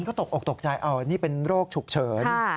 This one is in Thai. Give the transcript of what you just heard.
ก็ตกออกตกใจนี่เป็นโรคฉุกเฉิน